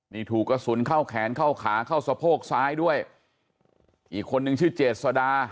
นี่ถูกกระสุนเข้าแขนเข้าขาเข้าสะโพกซ้ายด้วยอีกคนนึงชื่อเจษดา